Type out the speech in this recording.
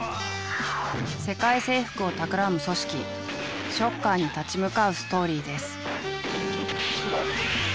世界征服をたくらむ組織ショッカーに立ち向かうストーリーです。